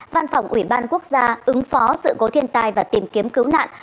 văn phòng ủy ban quốc gia ứng phó sự cố thiên tai và tìm kiếm cứu nạn